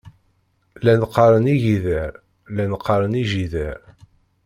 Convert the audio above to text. Llan qqaren igider, llan qqaren ijider.